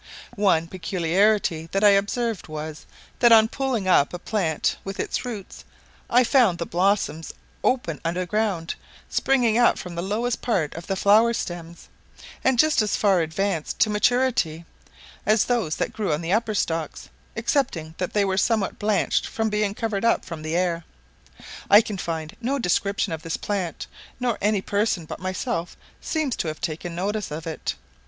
One peculiarity that I observed, was, that on pulling up a plant with its roots, I found the blossoms open under ground, springing up from the lowest part of the flower stems, and just as far advanced to maturity as those that grew on the upper stalks, excepting that they were somewhat blanched, from being covered up from the air. I can find no description of this plant, nor any person but myself seems to have taken notice of it.